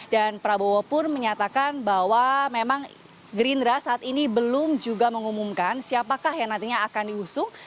dan prabowo pun menyatakan bahwa memang gerindra saat ini belum juga mengumumkan siapakah yang nantinya akan diusung